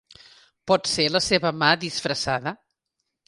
Pot ser la seva mà disfressada.